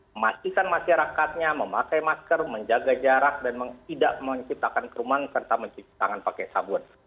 memastikan masyarakatnya memakai masker menjaga jarak dan tidak menciptakan kerumahan serta menciptakan pakai sabun